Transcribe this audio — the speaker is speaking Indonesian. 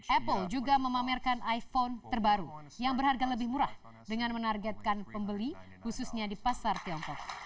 apple juga memamerkan iphone terbaru yang berharga lebih murah dengan menargetkan pembeli khususnya di pasar tiongkok